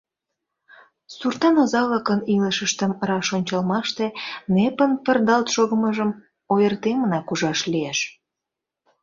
Суртан оза-влакын илышыштым раш ончалмаште нэпын пырдалт шогымыжым ойыртемынак ужаш лиеш.